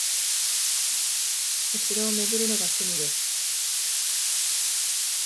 お城を巡るのが趣味です